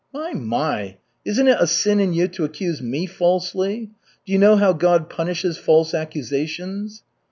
"My, my! Isn't it a sin in you to accuse me falsely? Do you know how God punishes false accusations?"